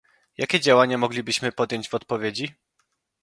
Jakie działania moglibyśmy podjąć w odpowiedzi?